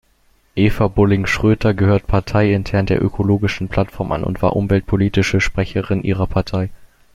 Eva Bulling-Schröter gehört parteiintern der Ökologischen Plattform an und war umweltpolitische Sprecherin ihrer Partei.